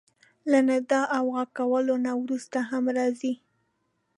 له ندا او غږ کولو نه وروسته هم راځي.